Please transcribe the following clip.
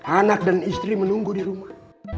anak dan istri menunggu di rumah